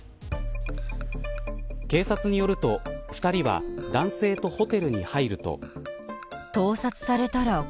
警察によると２人は男性とホテルに入ると。